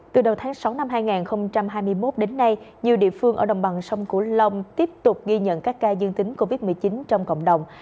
từ đầu tháng sáu năm hai nghìn hai mươi một đến nay nhiều địa phương ở đồng bằng sông cửu long tiếp tục ghi nhận các ca dương tính covid một mươi chín trong cộng đồng